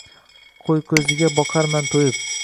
Qo‘yko‘ziga boqarman to‘yib.